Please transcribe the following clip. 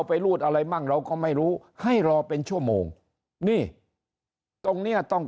รูดอะไรมั่งเราก็ไม่รู้ให้รอเป็นชั่วโมงนี่ตรงเนี้ยต้อง